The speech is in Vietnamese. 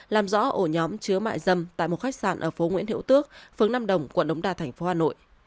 làm rõ ổ nhóm chứa mại dâm tại một khách sạn ở phố nguyễn hiệu tước phướng nam đồng quận đống đa tp hcm